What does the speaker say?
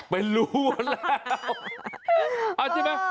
ไปรู้แล้ว